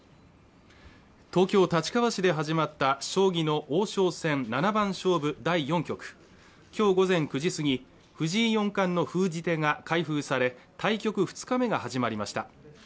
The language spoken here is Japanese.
東京立川市で始まった将棋の王将戦七番勝負第４局今日午前９時過ぎ藤井４冠の封じ手が開封され対局２日目が始まりました